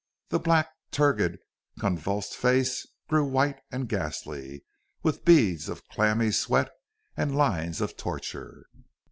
The black, turgid, convulsed face grew white and ghastly, with beads of clammy sweat and lines of torture.